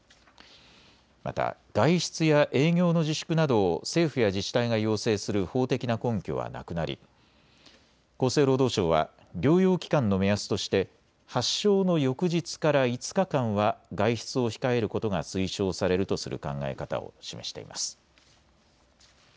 また外出や営業の自粛などを政府や自治体が要請する法的な根拠はなくなり厚生労働省は療養期間の目安として発症の翌日から５日間は外出を控えることが推奨されるとする考え方を示しています。